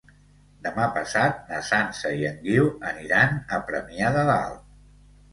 Demà passat na Sança i en Guiu aniran a Premià de Dalt.